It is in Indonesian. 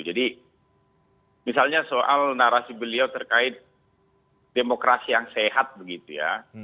jadi misalnya soal narasi beliau terkait demokrasi yang sehat begitu ya